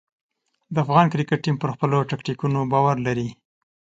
د افغان کرکټ ټیم پر خپلو ټکتیکونو باور لري.